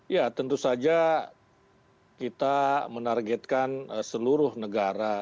ya tentu saja kita menargetkan seluruh negara